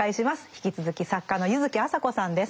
引き続き作家の柚木麻子さんです。